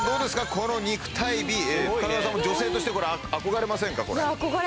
この肉体美深川さんも女性としてこれ憧れませんか？